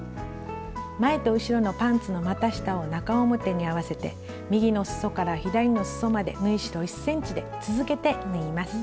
前と後ろのパンツのまた下を中表に合わせて右のすそから左のすそまで縫い代１ｃｍで続けて縫います。